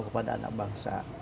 kepada anak bangsa